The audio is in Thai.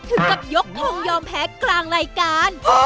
ถึงกับยกทงยอมแพ้กลางรายการ